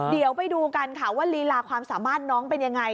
เดี๋ยวไปดูกันค่ะว่าลีลาความสามารถน้องเป็นยังไง